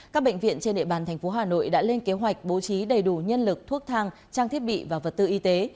các bệnh viện trên địa bàn tp hcm đã lên kế hoạch bố trí đầy đủ nhân lực thuốc thang trang thiết bị và vật tư y tế